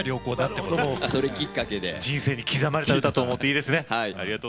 人生に刻まれたと思っていいですね。